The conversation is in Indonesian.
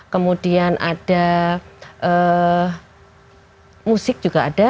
kemudian ada musik juga ada